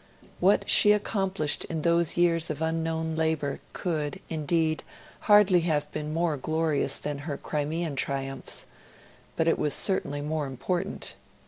What she accomplished in those years of unknown labour could, indeed, hardly have been more glorious than her Crimean triumphs, but it was certainly more important.